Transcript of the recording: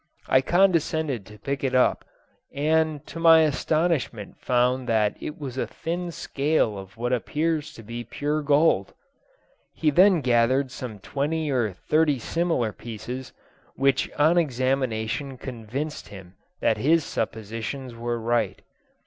I condescended to pick it up, and to my astonishment found that it was a thin scale of what appears to be pure gold.' He then gathered some twenty or thirty similar pieces, which on examination convinced him that his suppositions were right.